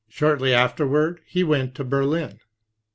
Shortly after ward, he went to Berlin.